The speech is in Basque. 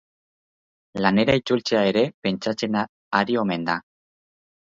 Lanera itzultzea ere pentsatzen ari omen da.